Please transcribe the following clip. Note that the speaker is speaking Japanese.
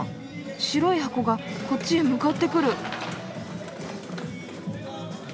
白い箱がこっちへ向かってくる。